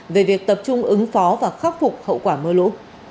về việc tập trung ứng phó và khắc phục hậu quả mưa lũ